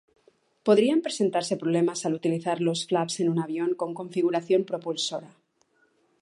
Podrían presentarse problemas al utilizar los flaps en un avión con configuración propulsora.